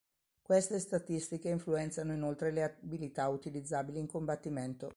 Queste statistiche influenzano inoltre le abilità utilizzabili in combattimento.